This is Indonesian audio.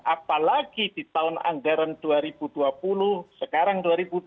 apalagi di tahun anggaran dua ribu dua puluh sekarang dua ribu dua puluh